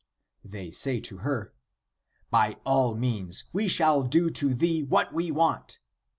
They say to her :' By all means, shall we do to thee what we want.'